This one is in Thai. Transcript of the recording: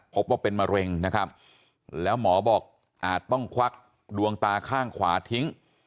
พบว่าเป็นมะเร็งนะครับแล้วหมอบอกอาจต้องควักดวงตาข้างขวาทิ้ง